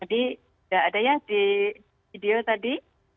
jadi tidak ada ya di video tadi